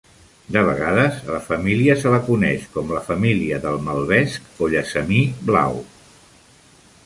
De vegades, a la família se la coneix com la família del malvesc o llessamí blau.